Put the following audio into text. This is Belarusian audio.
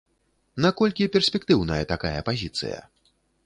Наколькі перспектыўная такая пазіцыя?